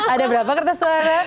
ada berapa kertas suara